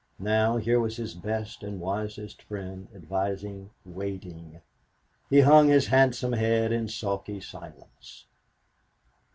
Now here was his best and wisest friend, advising waiting. He hung his handsome head in sulky silence.